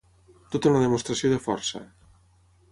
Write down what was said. Tota una demostració de força.